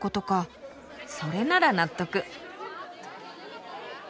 それなら納得。